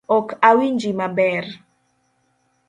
Ok awinji maber.